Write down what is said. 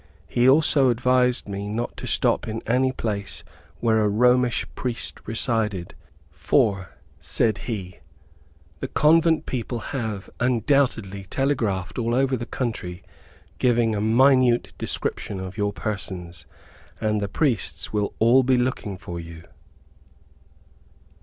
He also advised me not to stop in any place where a Romish priest resided, "for," said he, "the convent people have, undoubtedly, telegraphed all over the country giving a minute description of your person, and the priests will all be looking for you."